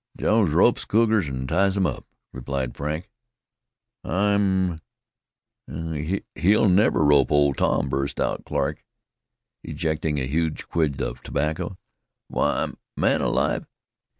"Jones ropes cougars, an' ties them up," replied Frank. "I'm if he'll ever rope Old Tom," burst out Clarke, ejecting a huge quid of tobacco. "Why, man alive!